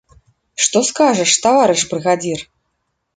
Што скажаш, таварыш брыгадзір?